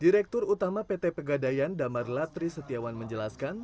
direktur utama pt pegadayan damar latri setiawan menjelaskan